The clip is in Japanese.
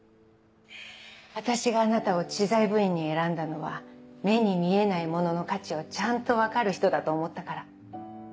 私があなたを知財部員に選んだのは目に見えないものの価値をちゃんと分かる人だと思ったから。